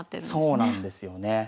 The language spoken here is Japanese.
そうなんですよね。